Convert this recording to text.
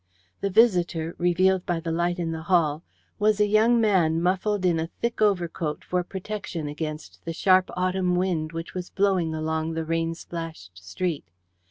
The visitor, revealed by the light in the hall, was a young man muffled in a thick overcoat for protection against the sharp autumn wind which was blowing along the rain splashed street.